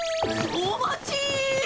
お待ち！